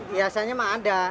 biasanya mah ada